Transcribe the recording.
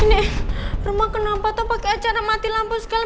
ini rumah kenapa tuh pake acara mati lampu segala